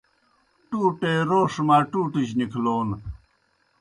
ٹُوٹے روݜ ماٹوٹِجیْ نِکھلون